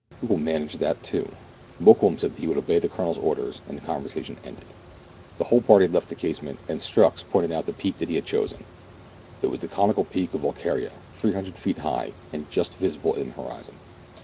" We will manage that too." Mokoum said that he would obey the Colonel's orders, and the conversation ended. The whole party left the casemate, and Strux pointed out the peak he had chosen. It was the conical peak of Volquiria, 300 feet high, and just visible in the horizon.